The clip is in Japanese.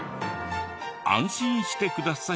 安心してください。